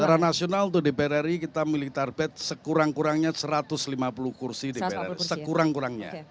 secara nasional tuh di prri kita milik tarbet sekurang kurangnya satu ratus lima puluh kursi di prri sekurang kurangnya